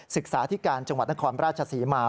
ศึกษาอธิการจังหวัดนครพระอาชาศีมา